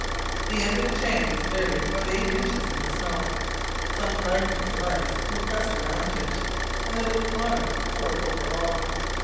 The end of a chain was buried about eight inches in the snow, some fragments of ice were pressed around it, and a little water poured over all.